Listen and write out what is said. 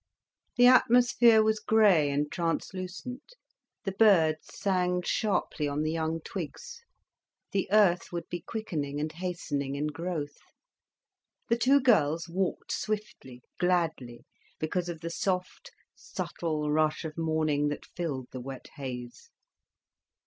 The atmosphere was grey and translucent, the birds sang sharply on the young twigs, the earth would be quickening and hastening in growth. The two girls walked swiftly, gladly, because of the soft, subtle rush of morning that filled the wet haze.